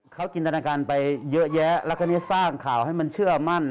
เขาจินตนาการไปเยอะแยะแล้วก็นี้สร้างข่าวให้มันเชื่อมั่น